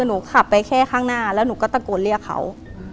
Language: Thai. หนูขับไปแค่ข้างหน้าแล้วหนูก็ตะโกนเรียกเขา